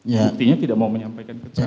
buktinya tidak mau menyampaikan kecewaan